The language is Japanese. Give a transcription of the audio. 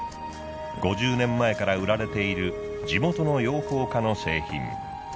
５０年前から売られている地元の養蜂家の製品。